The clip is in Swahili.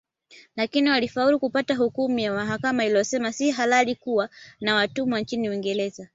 Lakini walifaulu kupata hukumu ya mahakama iliyosema si halali kuwa na watumwa nchini Uingereza